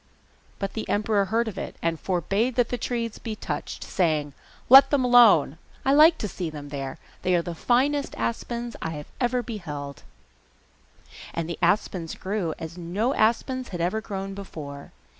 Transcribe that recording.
But the emperor heard of it, and forbade the trees to be touched, saying, 'Let them alone; I like to see them there! They are the finest aspens I have ever beheld!' And the aspens grew as no aspens had ever grown before.